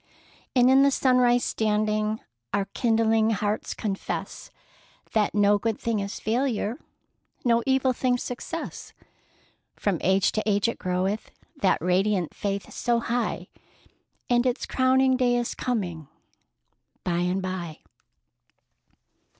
And in the sunrise standing, Our kindling hearts confess That 'no good thing is failure. No evil thing success!' From age to age it groweth, That radiant faith so high, And its crowning day is coming by and by!"